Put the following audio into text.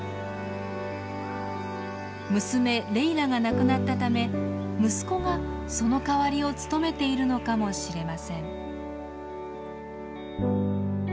娘レイラが亡くなったため息子がその代わりを務めているのかもしれません。